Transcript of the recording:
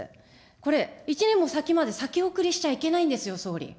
これ、１年も先まで先送りしちゃいけないんですよ、総理。